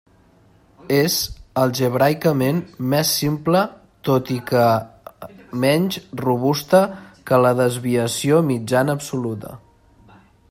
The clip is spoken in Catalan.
És algebraicament més simple tot i que menys robusta que la desviació mitjana absoluta.